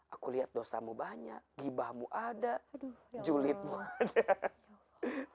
aku lihat dosamu banyak gibahmu ada julidmu ada